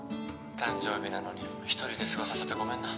誕生日なのに一人で過ごさせてごめんな。